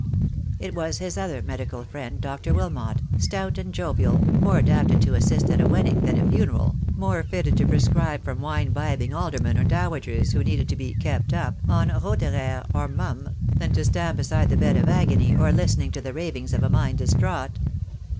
It was his other medical friend, Dr. Wilmot, stout and jovial, more adapted to assist at a wedding than a funeral, more fitted to prescribe for wine bibbing aldermen or dowagers who needed to be "kept up" on Roederer or Mumra, than to stand beside the bed of agony, or listening to the ravings of a mind distraught.